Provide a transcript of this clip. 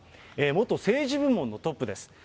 元政治部門のトップです。